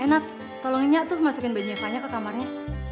eh nat tolonginnya tuh masukin bajunya fanya ke kamarnya